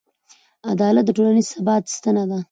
عدالت د ټولنیز ثبات ستنه ده.